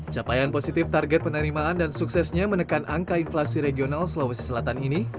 capaian positif target penerimaan dan suksesnya menekan angka inflasi regional sulawesi selatan ini